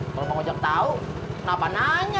kalau mau ngajak tau kenapa nanya